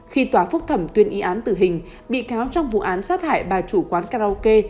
khi tòa phúc thẩm tuyên y án tử hình bị cáo trong vụ án sát hại bà chủ quán karaoke